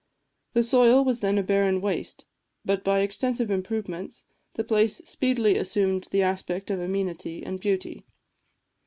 The soil was then a barren waste, but by extensive improvements the place speedily assumed the aspect of amenity and beauty.